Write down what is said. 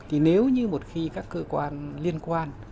thì nếu như một khi các cơ quan liên quan